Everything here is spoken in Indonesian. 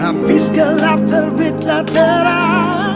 habis gelap terbitlah terang